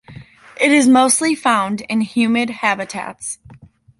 It is mostly found in humid habitats.